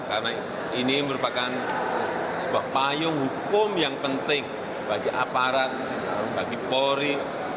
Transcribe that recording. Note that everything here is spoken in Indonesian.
karena ini merupakan sebuah payung hukum yang penting bagi aparat bagi polri